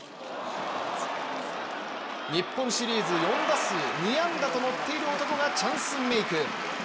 日本シリーズ４打数２安打と乗っている男がチャンスメーク。